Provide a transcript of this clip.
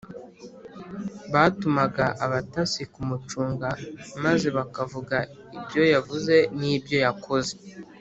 batumaga abatasi kumucunga maze bakavuga ibyo yavuze n’ibyo yakoze